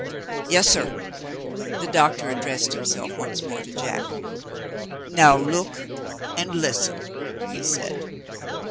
"Yes, sir." The doctor addressed himself once more to Jack. "Now look, and listen!" he said.